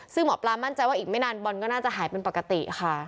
ซึ่งหมอปลามั่นใจว่าอีกไม่นานบอลก็น่าจะหายเป็นปกติค่ะ